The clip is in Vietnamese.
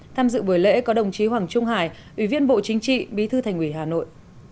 tham dự buổi lễ có đồng chí hoàng trung hải ủy viên bộ chính trị bí thư thành ủy hà nội